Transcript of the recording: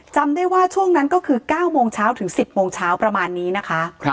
จำได้ว่าช่วงนั้นก็คือ๙โมงเช้าถึง๑๐โมงเช้าประมาณนี้นะคะ